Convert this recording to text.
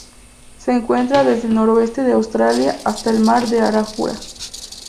Se encuentra desde el noroeste de Australia hasta el Mar de Arafura.